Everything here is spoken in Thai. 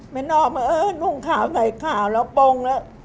มะนอมว่านุ่งข่าวไหนข่าวแล้วปงแล้ว